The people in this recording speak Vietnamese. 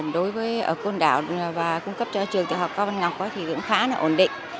đối với côn đảo và cung cấp cho trường tiểu học cao văn ngọc thì cũng khá là ổn định